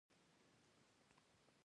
د اجرائیه رییس لومړي مرستیال.